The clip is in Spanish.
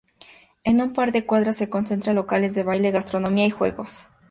En un par de cuadras se concentran locales de baile, gastronomía y juegos.